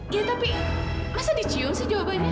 ya tapi masa dicium sih jawabannya